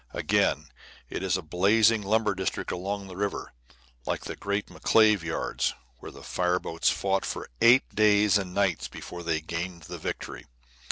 Again it is a blazing lumber district along the river, like the great McClave yards, where the fire boats fought for eight days and nights before they gained the victory.